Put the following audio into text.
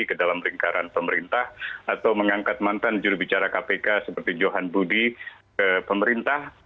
ke dalam lingkaran pemerintah atau mengangkat mantan jurubicara kpk seperti johan budi ke pemerintah